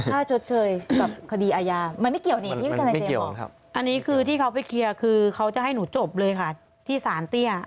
ค่าจดเจยกับคดีอายา